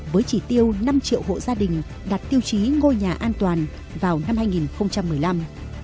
với chỉ tiêu năm triệu hộ gia đình đặt tiêu chí ngôi nhà an toàn vào năm hai nghìn một mươi năm